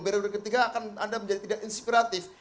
periode ketiga anda akan menjadi tidak inspiratif